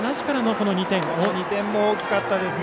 この２点も大きかったです。